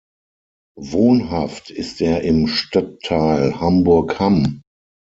Wohnhaft ist er im Stadtteil Hamburg-Hamm.